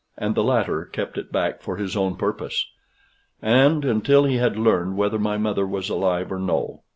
And the latter kept it back for his own purpose, and until he had learned whether my mother was alive or no.